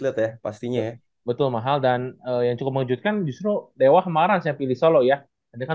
ya pastinya betul mahal dan yang cukup mengejutkan justru dewa marans yang pilih solo ya ada kan